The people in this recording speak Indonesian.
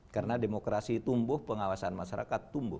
karena demokrasi tumbuh pengawasan masyarakat tumbuh